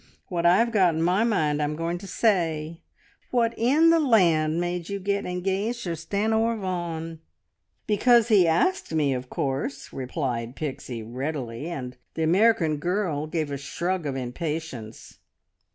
What I've got in my mind I'm going to say! What in the land made you get engaged to Stanor Vaughan?" "Because he asked me, of course!" replied Pixie readily, and the American girl gave a shrug of impatience.